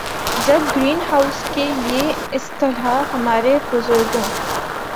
جب greenhouse کی یہ اصطلاح ہمارے بزرگوں